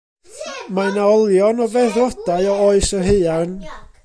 Mae yna olion o feddrodau o Oes yr Haearn.